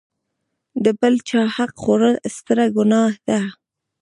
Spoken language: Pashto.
د بل چاحق خوړل ستره ګناه ده.